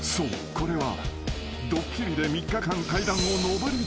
これは］